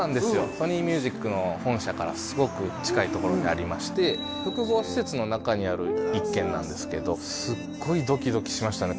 ソニー・ミュージックの本社からすごく近いところにありまして複合施設の中にある１軒なんですけどすごいドキドキしましたね